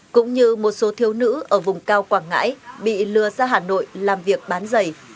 cũng như một số thiếu nữ ở vùng cao quảng ngãi bị lừa ra hà nội làm việc bán giày